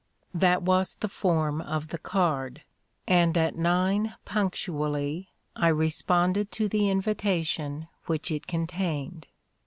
That was the form of the card; and at nine punctually I responded to the invitation which it contained.